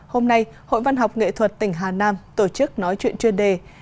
hôm nay hội văn học nghệ thuật tỉnh hà nam tổ chức nói chuyện chuyên đề